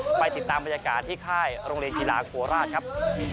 ไปติดตามบรรยากาศที่ค่ายโรงเรียนกีฬาโคราชครับ